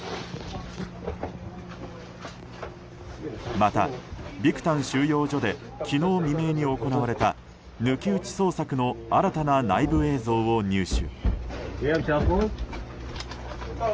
また、ビクタン収容所で昨日未明に行われた抜き打ち捜索の新たな内部映像を入手。